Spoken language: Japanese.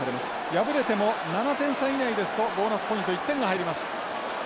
敗れても７点差以内ですとボーナスポイント１点が入ります。